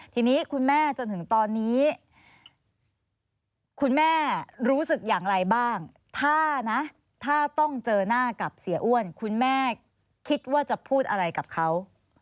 ทีนี้คุณแม่จนถึงตอนนี้คุณแม่รู้สึกอย่างไรบ้างถ้านะถ้าต้องเจอหน้ากับเสียอ้วนคุณแม่คิดว่าจะพูดอะไรกับเขา